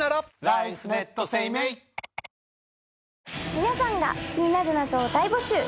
皆さんが気になる謎を大募集。